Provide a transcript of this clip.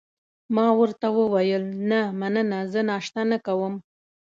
ما ورته وویل: نه، مننه، زه ناشته نه کوم.